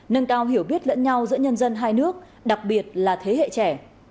nâng cao hiểu biết lẫn nhau giữa nhân dân hai nước đặc biệt là thế hệ trẻ